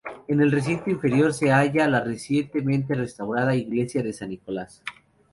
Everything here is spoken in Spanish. En el recinto inferior se halla la recientemente restaurada iglesia de San Nicolás.